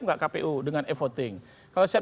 enggak kpu dengan e voting kalau siap